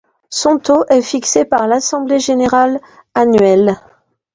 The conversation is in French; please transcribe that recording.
Son taux est fixé par l'assemblée générale annuelle.